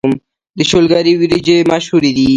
د شولګرې وريجې مشهورې دي